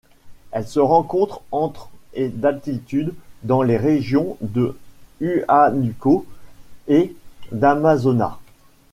Elle se rencontre entre et d'altitude dans les régions de Huánuco et d'Amazonas.